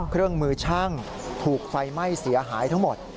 เครื่องมือช่างถูกไฟไหม้เสียหายทั้งหมด